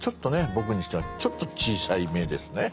僕にしてはちょっと小さめですね。